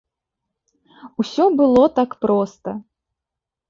Усё было так проста.